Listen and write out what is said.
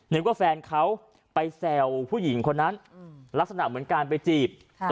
นึกว่าแฟนเขาไปแซวผู้หญิงคนนั้นลักษณะเหมือนการไปจีบ